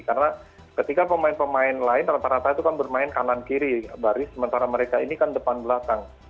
karena ketika pemain pemain lain rata rata itu kan bermain kanan kiri baris sementara mereka ini kan depan belakang